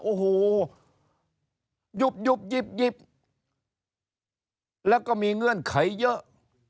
โอ้โหยุบหยิบแล้วก็มีเงื่อนไขเยอะ